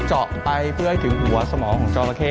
เจาะไปเพื่อสมองของจราเข้